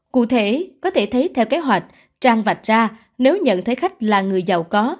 cụ thể có thể thấy theo kế hoạch trang vạch ra nếu nhận thấy khách là người giàu có